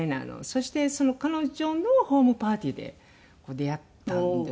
そしてその彼女のホームパーティーで出会ったんです。